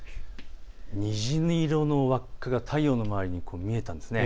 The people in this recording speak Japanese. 虹色の輪っかが太陽の周りに見えたんです。